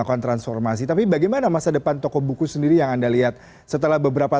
melakukan transformasi tapi bagaimana masa depan toko buku sendiri yang anda lihat setelah beberapa